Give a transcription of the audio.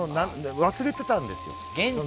忘れてたんですよ